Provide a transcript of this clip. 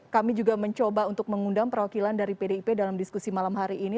kami juga mencoba untuk mengundang perwakilan dari pdip dalam diskusi malam hari ini